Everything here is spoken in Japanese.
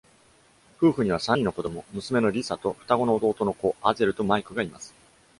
夫婦には、三人の子供、娘のリサと双子の男の子アゼルとマイクがいます。